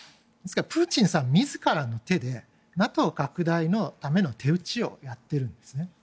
ですからプーチンさん自らの手でＮＡＴＯ拡大のための手打ちをやってるんですね。